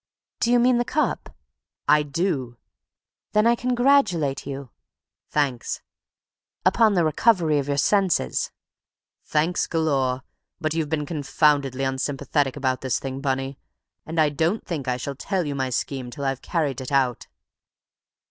"Do you mean the cup?" "I do." "Then I congratulate you." "Thanks." "Upon the recovery of your senses." "Thanks galore. But you've been confoundedly unsympathetic about this thing, Bunny, and I don't think I shall tell you my scheme till I've carried it out."